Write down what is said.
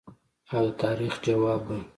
او د تاریخ ځواب به